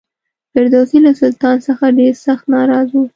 فردوسي له سلطان څخه ډېر سخت ناراض و.